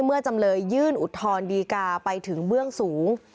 จำเลยยื่นอุทธรณ์ดีกาไปถึงเบื้องสูง